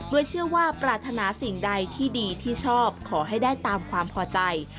โดยเชื่อว่าปรารถนาสิ่งใดที่ดีที่ชอบขอให้ได้ตามความพอใจ